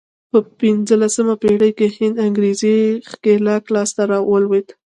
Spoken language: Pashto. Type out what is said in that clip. په پنځلسمه پېړۍ کې هند انګرېزي ښکېلاک لاس ته ولوېد.